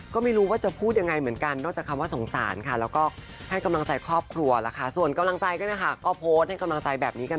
ก็ไม่รู้ว่าจะพูดอย่างไรเหมือนกันนอกจากคำว่าสงสารค่ะ